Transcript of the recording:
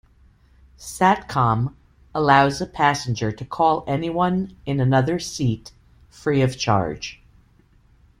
Satcom allows a passenger to call anyone in another seat free of charge.